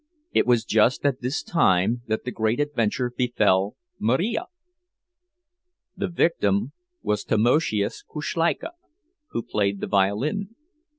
It was just at this time that the great adventure befell Marija. The victim was Tamoszius Kuszleika, who played the violin.